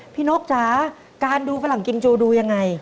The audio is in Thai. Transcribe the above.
พี่นกจ๊ะการดูฝรั่งกิมจูดูอย่างไร